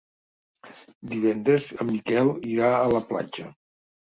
Divendres en Miquel irà a la platja.